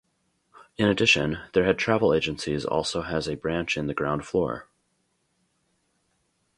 In addition, there had travel agencies also has a branch in the ground floor.